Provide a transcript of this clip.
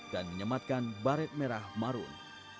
dan menyematkan baret merah marun